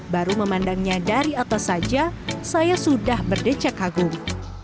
baru memandangnya dari atas saja saya sudah berdecak kagum